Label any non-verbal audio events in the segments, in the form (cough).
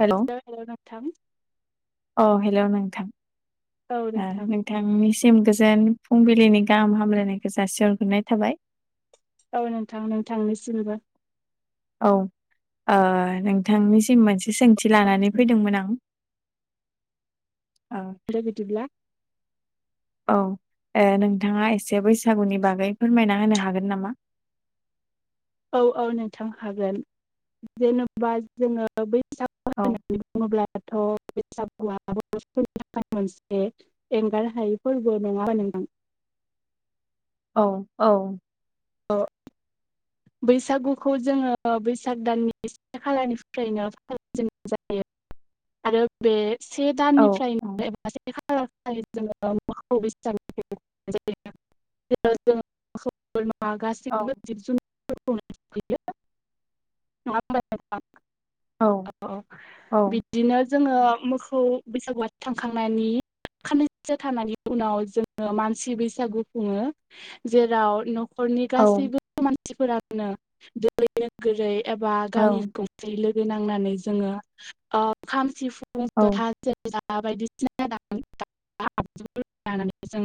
Hello नोंथां hello नोंथां औ ओ नोंथां नोंथांनिसिम गोज जोन फुंबिलिनि गाहाम हामलायनायखौ जासिहरग्रोनाय थाबाय औ नोंथां नोंथांनिसिमबो औ ओ नोंथांनिसिम मोनसे सोंथि लानानै फैदोंमोन आं औ (unintelligible) बिदिब्ला औ ए नोंथाङा एसे बैसागुनि बागै फोरमायना होनो हागोन नामा (inaudible) औ औ नोंथां हागोन जेनेबा जोङो बै औ होननानै बुङोब्लाथ' बैसागुआ बर'फोरनि थाखाय मोनसे एंगार हायै फोरबो नङा होनबा नोंथां (inaudible) औ औ औ बैसागुखौ जोङो बैसाग दाननि से खालानिफ्रायनो फालिजेननाय जायो। आरो बे से औ औ दाननिफ्रायनो एबा से (unintelligible) जों (unintelligible) औ औ औ बिदिनो जोङो मोखौ बैसागुआ थांखांनायनि खाननैसो थानानै उनाव जोङो मानसि बैसागु खुङो जेराव न न'खरनि गासैबो मानसिफोरान (unintelligible) नोगोरै एबा औ गामिखौसेयै लोगो नांनानै जोङो खाम सिफुं थ औ हासोला बायदिसिना (unintelligible) खाम सिफुंफोर लानानै जों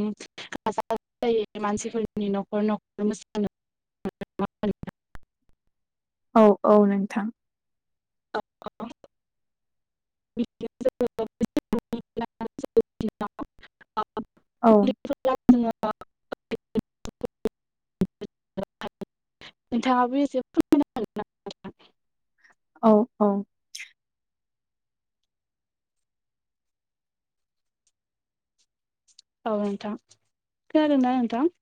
हाबजुबनाय जायो मानसिफोरनि न'खर न'खर न (unintelligible) औ औ नोंथां ओंखारो। (inaudible) (inaudible) औ नोंङाबा नोंथाङाबो एसे फोरमायनो हागोन नामा औ औ औ नोंथां खोनादोंना नोंथां